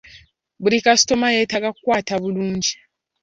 Buli kasitoma yeetaga kukwata bulungi.